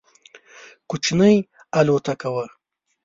کوچنۍ الوتکه وه.